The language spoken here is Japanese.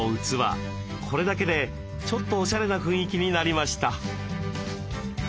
これだけでちょっとおしゃれな雰囲気になりました。